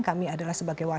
kami adalah sebagai wakil